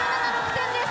点です。